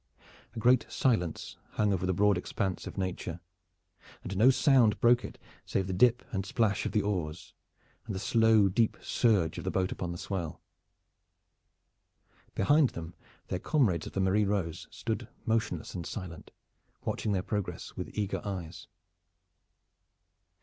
A great silence hung over the broad expanse of nature, and no sound broke it save the dip and splash of the oars and the slow deep surge of the boat upon the swell. Behind them their comrades of the Marie Rose stood motionless and silent, watching their progress with eager eyes.